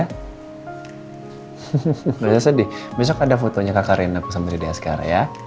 tidak bisa sedih besok ada fotonya kak kareen aku sama dedy askara ya